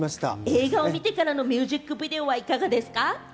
映画を見てみてからのミュージックビデオはいかがですか？